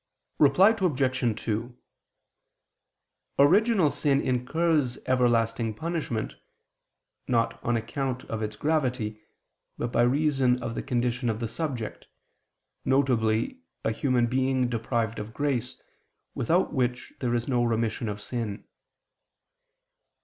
Reply Obj. 2: Original sin incurs everlasting punishment, not on account of its gravity, but by reason of the condition of the subject, viz. a human being deprived of grace, without which there is no remission of sin.